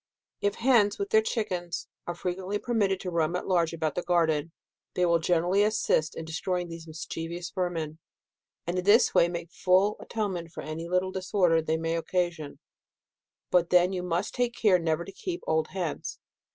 If hens, with their chickens, are quietly permit ted to roam at large about the garden, they will greatly assist in destroying these mis chievous vermin, and in this way make full atonement for any little disorder which they may occasion. But then you must take care never to keep old hens.